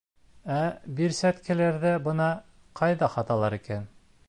Ә, бирсәткәләрҙе, бына ҡайҙа һаталар икән